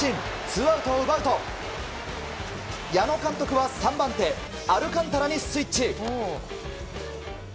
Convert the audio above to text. ツーアウトを奪うと矢野監督は３番手アルカンタラにスイッチ。